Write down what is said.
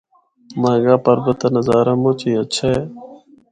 نانگا پربت دا نظارہ مُچ ہی ہچھا ہے۔